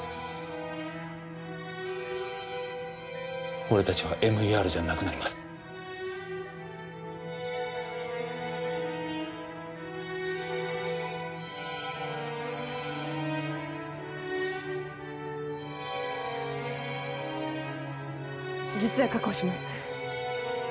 俺達はＭＥＲじゃなくなります術野確保します